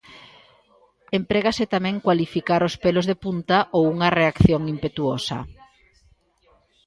Emprégase tamén cualificar os pelos de punta ou unha reacción impetuosa.